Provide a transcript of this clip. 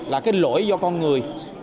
là cái lỗi do con người